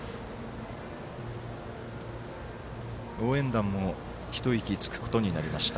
応援団も一息つくことになりました。